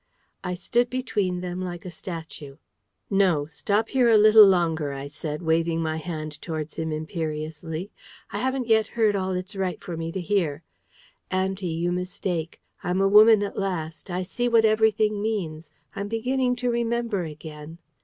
I stood between them like a statue. "No, stop here a little longer," I said, waving my hand towards him imperiously. "I haven't yet heard all it's right for me to hear.... Auntie, you mistake. I'm a woman at last. I see what everything means. I'm beginning to remember again.